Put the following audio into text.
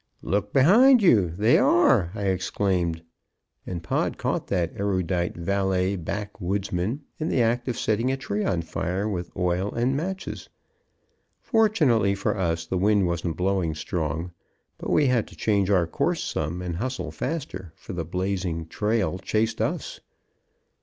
"Look behind you; they are!" I exclaimed. And Pod caught that erudite valet back woodsman in the act of setting a tree on fire with oil and matches. Fortunately for us the wind wasn't blowing strong, but we had to change our course some, and hustle faster, for the blazing trail chased us.